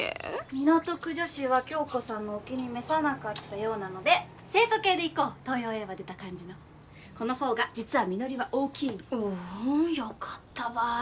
港区女子は響子さんのお気に召さなかったようなので清楚系でいこう東洋英和出た感じのこのほうが実は実りは大きいよかったばい